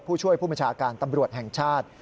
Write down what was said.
ผู้ช่วยผู้บัญชาการตำรวจแห่งชาติ